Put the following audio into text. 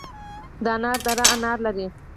د انار دره انار لري